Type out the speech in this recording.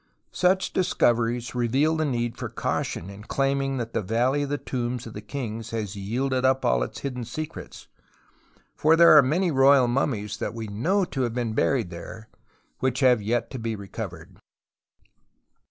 Such discoveries reveal the need for caution in claiming that the X^alley of the Tombs of the Kings has yielded up all its hidden secrets. For there are many royal mummies that we know to have been buried there which have yet to be reco\'ered.